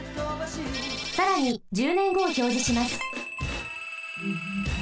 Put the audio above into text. さらに１０ねんごをひょうじします。